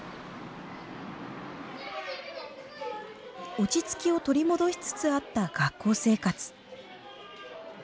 落ち着きを取り戻しつつあった学校生活。